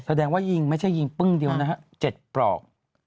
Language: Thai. แสดงว่ายิงไม่ใช่ยิงปึ้งเดียวนะฮะ๗ปลอก